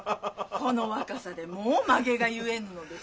この若さでもう髷が結えぬのです。